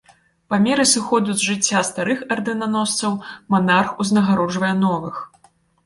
Па меры сыходу з жыцця старых ардэнаносцаў манарх узнагароджвае новых.